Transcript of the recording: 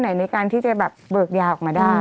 ในการที่จะแบบเบิกยาออกมาได้